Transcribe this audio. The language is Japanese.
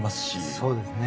そうですね。